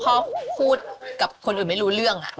พ่อพูดกับคนอื่นไม่รู้เรื่อง